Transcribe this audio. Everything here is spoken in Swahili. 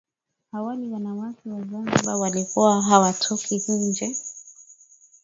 Awali wanawake wa Zanzibar walikuwa hawatoki nje